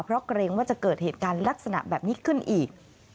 เพราะเกรงว่าจะเกิดเหตุการณ์ลักษณะแบบนี้ขึ้นอีก